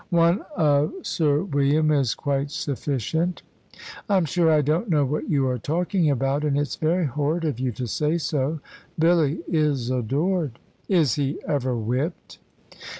"One of Sir William is quite sufficient." "I'm sure I don't know what you are talking about, and it's very horrid of you to say so. Billy is adored." "Is he ever whipped?"